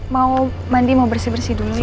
mau mandi mau bersih bersih dulu